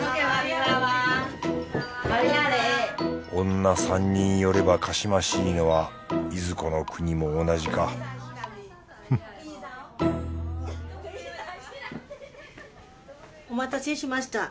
女３人寄ればかしましいのはいずこの国も同じかフッお待たせしました。